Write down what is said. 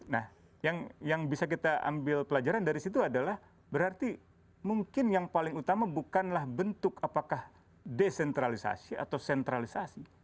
nah yang bisa kita ambil pelajaran dari situ adalah berarti mungkin yang paling utama bukanlah bentuk apakah desentralisasi atau sentralisasi